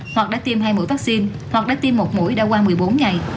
hoặc đã tiêm hai mũi vaccine hoặc đã tiêm một mũi đã qua một mươi bốn ngày